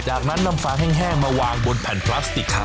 จากนั้นนำฟางแห้งมาวางบนแผ่นพลาสติกขา